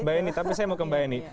mbak eni tapi saya mau ke mbak eni